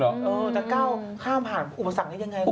อย่างแบบไปมองจะก้าวท่ามภาพอุปสรรคอย่างไร